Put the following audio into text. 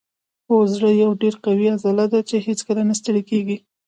هو زړه یوه ډیره قوي عضله ده چې هیڅکله نه ستړې کیږي